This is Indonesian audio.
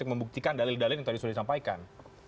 untuk membuktikan dalil dalil yang tadi sudah disampaikan